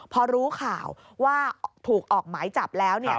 พอรู้ข่าวว่าถูกออกหมายจับแล้วเนี่ย